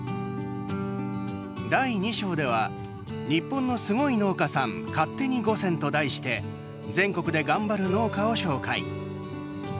第２章では日本のすごい農家さん勝手に５選と題して全国で頑張る農家を紹介。